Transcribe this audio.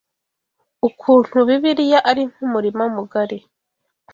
ukuntu Bibiliya ari nk’umurima mugari